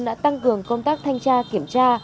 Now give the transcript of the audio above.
đã tăng cường công tác thanh tra kiểm tra